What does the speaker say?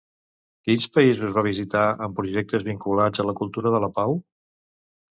Quins països va visitar en projectes vinculats a la cultura de la pau?